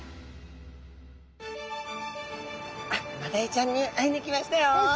マダイちゃんに会いに来ましたよ！